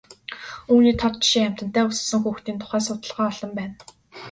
Үүний тод жишээ амьтантай өссөн хүүхдийн тухай судалгаа олон байна.